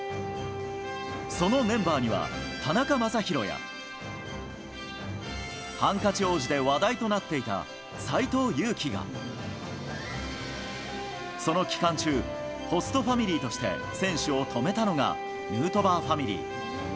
そのメンバーには、田中将大や、ハンカチ王子で話題となっていた斎藤佑樹が。その期間中、ホストファミリーとして選手を泊めたのが、ヌートバーファミリー。